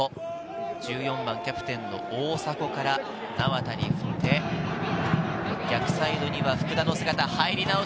１４番、キャプテン・大迫から名和田に振って、逆サイドには福田の姿、入りなおし。